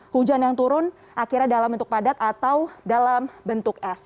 hujan yang turun akhirnya dalam bentuk padat atau dalam bentuk es